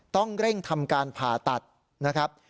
ต้องเร่งทำการผ่าตัดนะครับ